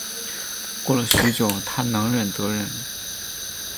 过了许久她能忍则忍